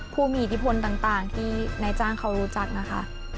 ผู้มีอิทธิพลต่างที่นายจ้างเขารู้จักนะคะ